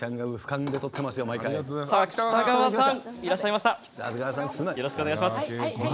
北川さん、いらっしゃいました。